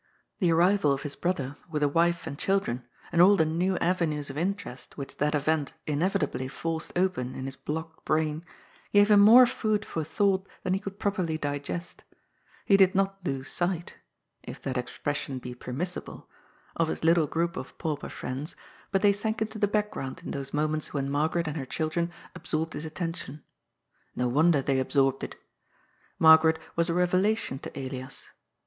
The arrival of his brother with a wife and children, and all the new avenues of interest which that event inevitably forced open in his blocked brain, gave him more food for thought than he could properly digest He did not lose sight (if that expression be permissible) of his little group of pauper friends, but they sank into the background in those mo ments when Margaret and her children absorbed his atten tion. No wonder they absorbed it. Margaret was a revela tion to Elias.